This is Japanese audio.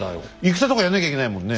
戦とかやんなきゃいけないもんね。